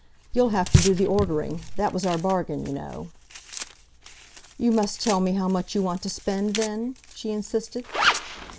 "You'll have to do the ordering that was our bargain, you know." "You must tell me how much you want to spend, then?" she insisted.